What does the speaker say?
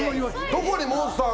どこにモンスターが？